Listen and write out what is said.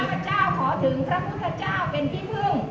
พระเจ้าขอถึงพระพุทธเจ้าเป็นที่พึ่ง